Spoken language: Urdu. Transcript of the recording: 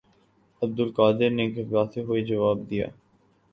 عبدالقادر نے گھبراتے ہوئے جواب دیا